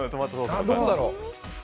どこだろう。